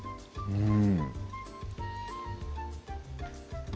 うん